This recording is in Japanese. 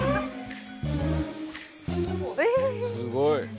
すごい。